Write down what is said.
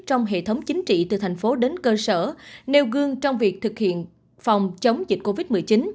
trong hệ thống chính trị từ thành phố đến cơ sở nêu gương trong việc thực hiện phòng chống dịch covid một mươi chín